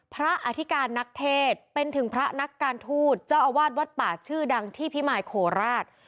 อธิการนักเทศเป็นถึงพระนักการทูตเจ้าอาวาสวัดป่าชื่อดังที่พิมายโคราช